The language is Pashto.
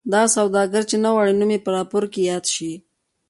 دغه سوداګر چې نه غواړي نوم یې په راپور کې یاد شي.